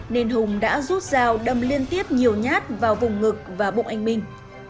nên hùng đã rút dao đâm liên tiếp nhiều nhát vào vùng ngực và bụng anh minh